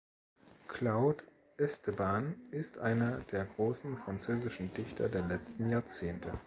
Claude Esteban ist einer der großen französischen Dichter der letzten Jahrzehnte.